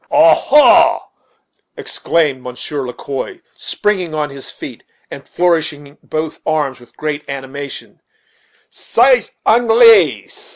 "Ah ha!" exclaimed Monsieur Le Quoi, springing on his feet and flourishing both arms with great animation; "ces Anglais!"